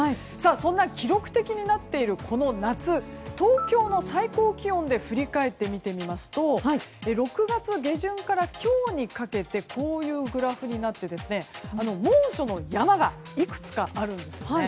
そんな記録的になっているこの夏東京の最高気温で振り返って見てみますと６月下旬から今日にかけてこういうグラフになって猛暑の山がいくつかあるんですね。